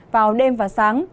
vào đêm và sáng